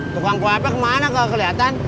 tukang kuahp kemana kagak keliatan